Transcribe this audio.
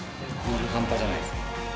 半端じゃないっす。